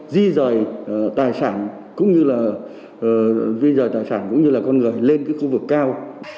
di dời tài sản cũng như là con người lên khu vực cao